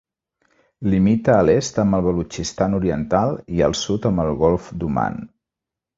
Limita a l'est amb el Balutxistan Oriental i al sud amb el Golf d'Oman.